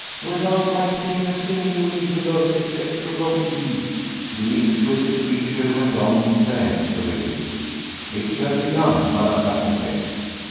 "Without my paying a single louis to those execrable thieves," the exquisite creature went on peremptorily, "It shall be done, Madame la Comtesse."